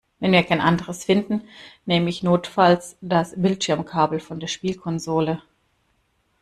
Wenn wir kein anderes finden, nehme ich notfalls das Bildschirmkabel von der Spielkonsole.